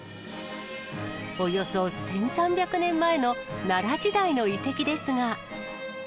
およそ１３００年前の奈良時代の遺跡ですが。